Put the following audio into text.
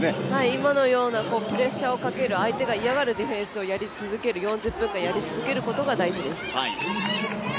今のようなプレッシャーをかける相手が嫌がるディフェンスを４０分間やり続けることが大事です。